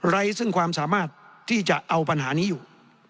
ซึ่งความสามารถที่จะเอาปัญหานี้อยู่